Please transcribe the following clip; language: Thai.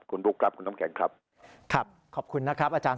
คุณบุ๊คครับคุณน้ำแข็งครับครับขอบคุณนะครับอาจารย์